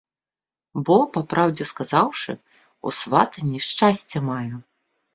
Бо, па праўдзе сказаўшы, у сватанні шчасце маю.